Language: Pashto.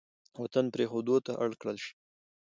وطـن پـرېښـودو تـه اړ کـړل شـي.